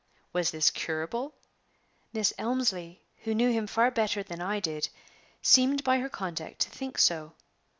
Was this curable? Miss Elmslie, who knew him far better than I did, seemed by her conduct to think so.